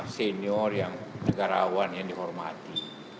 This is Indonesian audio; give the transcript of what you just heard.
senior yang negarawan yang dihormati